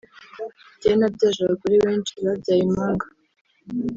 “Njyewe nabyaje abagore benshi babyaye impanga